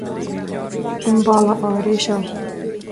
An balla ard é seo